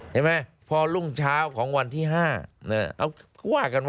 เห็นไหมพอรุ่งเช้าของวันที่๕เอาก็ว่ากันว่า